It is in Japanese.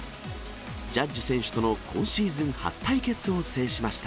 ジャッジ選手との今シーズン初対決を制しました。